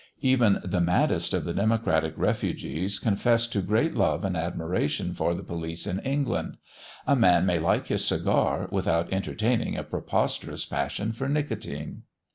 Even the maddest of the democratic refugees confess to great love and admiration for the police in England. A man may like his cigar without entertaining a preposterous passion for nicotine.